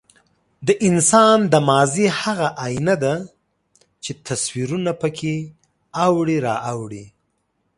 د انسان د ماضي هغه ایینه ده، چې تصویرونه پکې اوړي را اوړي.